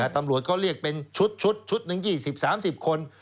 ตำรวจเขาเรียกเป็นชุดชุดหนึ่ง๒๐๓๐คน